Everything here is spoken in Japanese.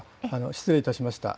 失礼いたしました。